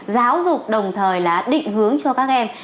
giáo dục đồng thời là định hướng cho các em